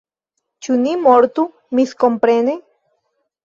Ĉu ni mortu miskomprene?